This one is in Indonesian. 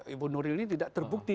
ibu nuril ini tidak terbukti